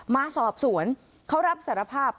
มาสอบสวนเขารับสารภาพ